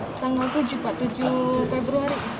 tanggal tujuh februari